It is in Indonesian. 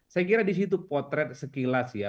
saya kira di situ potret sekilas ya